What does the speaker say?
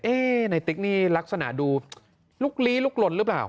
ในติ๊กนี่ลักษณะดูลุกลี้ลุกลนหรือเปล่า